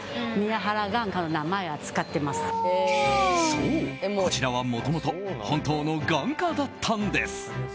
そう、こちらはもともと本当の眼科だったんです。